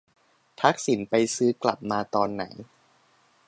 ทักษิณไปซื้อกลับมาตอนไหน ?